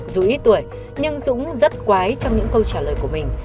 dù ít tuổi nhưng dũng rất quái trong những câu trả lời của mình